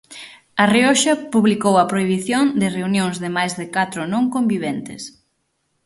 A Rioxa publicou a prohibición de reunións de máis de catro non conviventes.